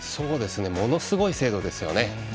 ものすごい精度ですよね